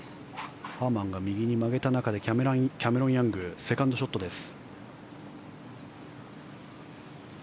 ハーマンが右に曲げた中でキャメロン・ヤングセカンドショットです。